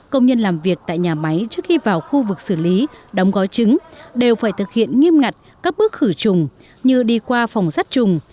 công nhân làm việc tại nhà máy trước khi vào khu vực xử lý đóng gói trứng đều phải thực hiện nghiêm ngặt các bước khử trùng như đi qua phòng sắt trùng